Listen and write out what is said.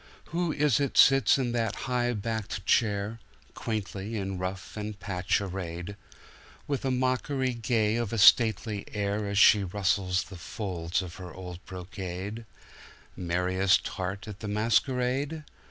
Who is it sits in that high backed chair, Quaintly in ruff and patch arrayed, With a mockery gay of a stately air As she rustles the folds of her old brocade,—Merriest heart at the masquerade?